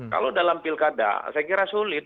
kalau dalam pilkada saya kira sulit